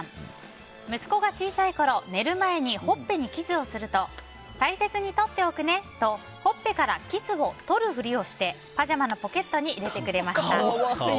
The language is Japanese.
息子が小さいころ寝る前にほっぺにキスをすると大切にとっておくねとほっぺからキスを取るふりをしてパジャマのポケットに入れてくれました。